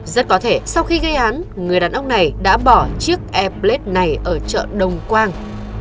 rất có thể sau khi gây án người đàn ông này đã bỏ chiếc airblade này ở chợ đồng quang